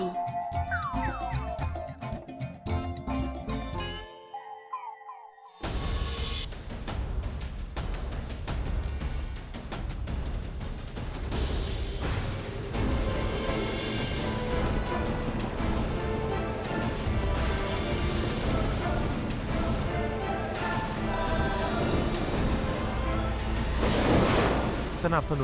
สนับสนับสนุน